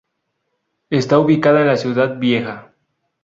Está ubicada en la Ciudad Vieja.